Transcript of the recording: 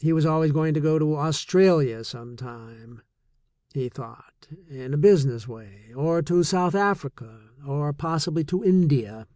He was always going to Australia sometime, he thought, in a business way, or to South Africa, or possibly to India.